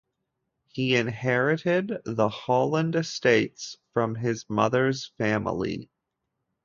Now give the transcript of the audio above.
He inherited the Holland Estates from his mother's family.